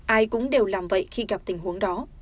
ai cũng đều làm vậy khi gặp tình huống đó